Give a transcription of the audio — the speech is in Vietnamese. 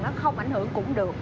nó không ảnh hưởng cũng được